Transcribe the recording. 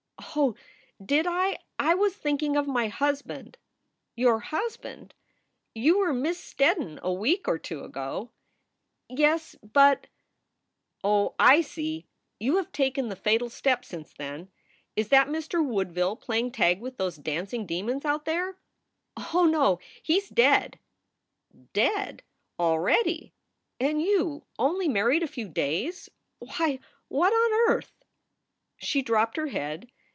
"Oh, did I? I was thinking of my husband." "Your husband! You were Miss Steddon a week or two ago." "Yes, but" SOULS FOR SALE 123 "Oh, I see! You have taken the fatal step since then. Is that Mr. Woodville playing tag with those dancing demons out there?" "Oh no! He s dead." "Dead, already! and you only married a few days! Why, what on earth " She dropped her head.